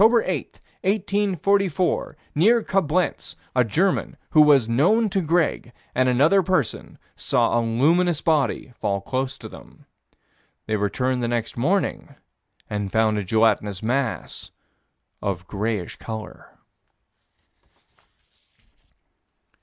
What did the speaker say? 8, 1844, near Coblenz, a German, who was known to Greg, and another person saw a luminous body fall close to them. They returned next morning and found a gelatinous mass of grayish color.